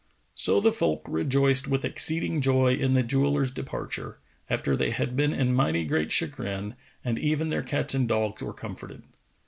"[FN#457] So the folk rejoiced with exceeding joy in the jeweller's departure, after they had been in mighty great chagrin, and even their cats and dogs were comforted.